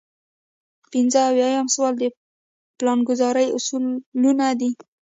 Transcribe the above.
پنځه اویایم سوال د پلانګذارۍ اصلونه دي.